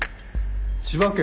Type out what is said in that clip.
千葉県